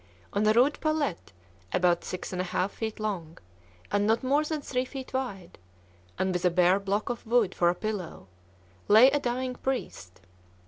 On a rude pallet, about six and a half feet long, and not more than three feet wide, and with a bare block of wood for a pillow, lay a dying priest.